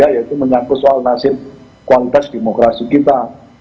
yaitu menyangkut soal nasib kualitas demokrasi kita